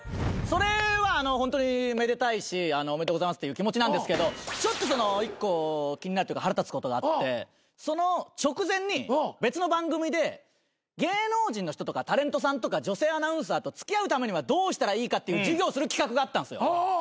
それはホントにめでたいしおめでとうございますっていう気持ちなんですけどちょっと１個気になるというか腹立つことがあってその直前に別の番組で芸能人の人とかタレントさんとか女性アナウンサーと付き合うためにはどうしたらいいかっていう授業をする企画があったんですよ。